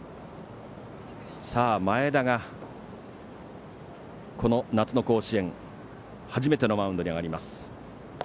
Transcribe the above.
前田が、この夏の甲子園初めてのマウンドに上がります。